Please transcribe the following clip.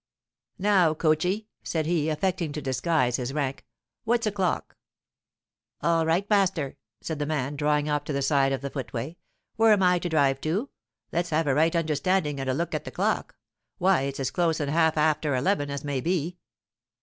"Now, coachee," said he, affecting to disguise his rank, "what's o'clock?" "All right, master," said the man, drawing up to the side of the footway, "where am I to drive to? Let's have a right understanding, and a look at the clock. Why, it's as close on half after eleven as may be."